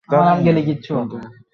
অনেকক্ষণ ধরে এখানে ঠায় দাঁড়িয়ে রয়েছি।